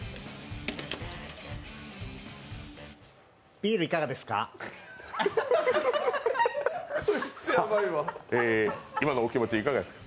ビールいかがですか？